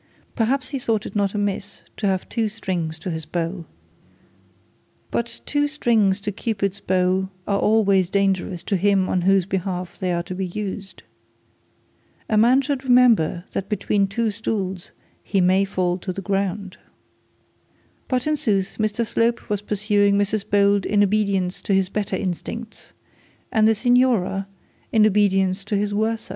Perhaps he thought it not amiss to have two strings to his bow. But two strings to Cupid's bow are always dangerous to him on whose behalf they are to be used. A man should remember that between two stools he may fall to the ground. But in sooth Mr Slope was pursuing Mrs Bold in obedience to his better instincts, and the signora in obedience to his worse.